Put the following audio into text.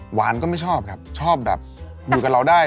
ก็ไม่ชอบครับชอบแบบอยู่กับเราได้